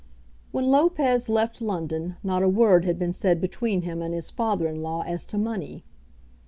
When Lopez left London not a word had been said between him and his father in law as to money.